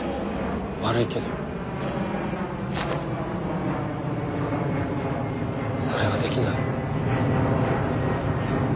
悪いけどそれはできない。